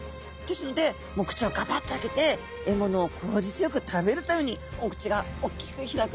ですのでもう口をがばっと開けて獲物を効率よく食べるためにお口がおっきく開くんですね。